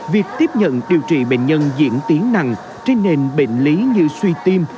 việc tiếp nhận điều trị bệnh nhân diễn tiến nặng trên nền bệnh lý như suy tim